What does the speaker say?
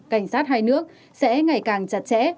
cảnh sát hai nước sẽ ngày càng chặt chẽ